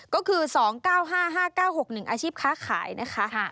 ก็คือ๒๙๕๕๙๖๑อาชีพค้าขายนะคะ